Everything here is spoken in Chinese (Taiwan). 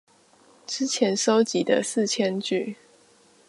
之前收集的四千句